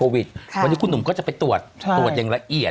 วันนี้คุณหนุ่มก็จะไปตรวจตรวจอย่างละเอียด